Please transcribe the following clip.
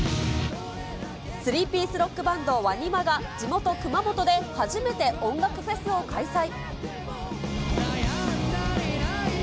３ピースロックバンド、ＷＡＮＩＭＡが、地元、熊本で初めて音楽フェスを開催。